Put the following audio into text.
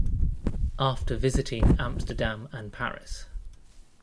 After visiting Amsterdam and Paris.